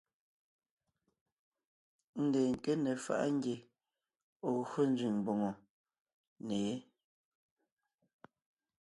Ndeen nke ne faʼa ngie ɔ̀ gyo nzẅìŋ mbòŋo ne yé.